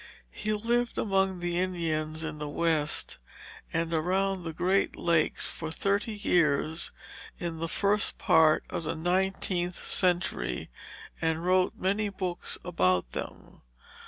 He lived among the Indians in the West and around the Great Lakes for thirty years in the first part of the Nineteenth Century and wrote many books about them.